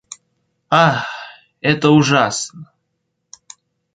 Ах, это ужасно!